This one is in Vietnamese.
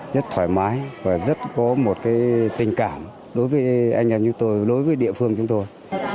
rất thoải mái và rất có một tình cảm đối với anh em như tôi đối với địa phương chúng tôi